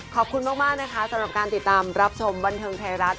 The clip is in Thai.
ขอบคุณมากนะคะสำหรับการติดตามรับชมบันเทิงไทยรัฐ